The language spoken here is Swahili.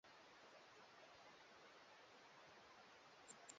Analihutubia taifa kwa kuanza kutoa taratibu za mazishi ya hayati Rais Magufuli